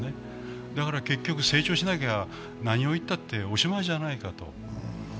結局成長しなきゃ何を言ったっておしまいじゃないかと。